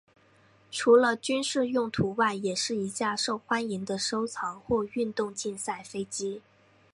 除了军事用途外也是一架受欢迎的收藏或运动竞赛飞机。